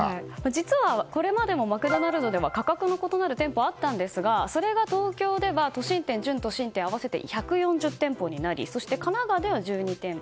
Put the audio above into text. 実はこれまでもマクドナルドでは価格の異なる店舗があったんですが、それが東京では都心店、準都心店合わせて１４０店舗となりそして神奈川では１２店舗